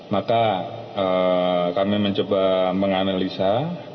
maka kami mencoba menganalisa